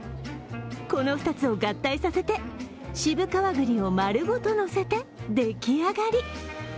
この２つを合体させて渋皮栗を丸ごとのせて出来上がり。